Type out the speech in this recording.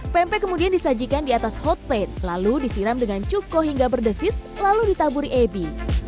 pempek kemudian disajikan di atas hot plate lalu disiram dengan cuko hingga berdesis lalu ditaburi ebi